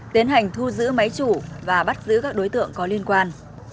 tiến hành thu giữ máy chủ và bắt giữ các đối tượng có liên quan